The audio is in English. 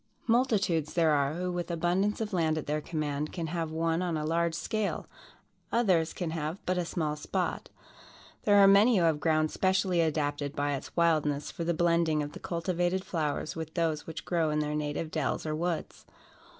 Multitudes there are, who, with abundance of land at their command, can have one on a large scale, others can have, but a small spot. There are many who have ground specially adapted by its wildness for the blending of the cultivated flowers with those which grow in their native dells or woods.